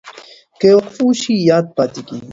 که وقفه وشي یاد پاتې کېږي.